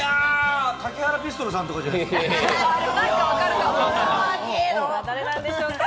竹原ピストルさんとかじゃないですか？